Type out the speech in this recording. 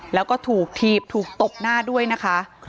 แล้วก็ถูกถีบถูกตบหน้าด้วยนะคะ